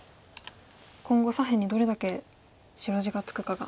今後左辺にどれだけ白地がつくかが。